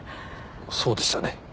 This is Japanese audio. そうでしたね。